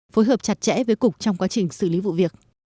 phối hợp chặt chẽ với cục trong quá trình xử lý vụ việc